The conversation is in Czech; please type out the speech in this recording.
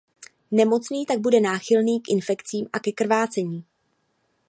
Nemocný tak bude náchylný k infekcím a ke krvácení.